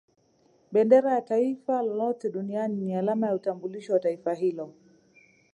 Bendera ya Taifa lolote Duniani ni alama ya utambulisho wa Taifa hilo